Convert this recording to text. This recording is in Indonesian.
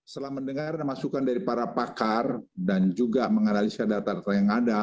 setelah mendengar masukan dari para pakar dan juga menganalisa data data yang ada